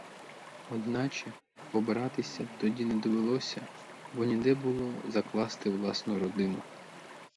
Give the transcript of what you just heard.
Одначе побратися тоді не довелося, бо ніде було закласти власну родину.